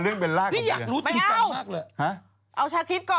เอาชาติคลิปก่อน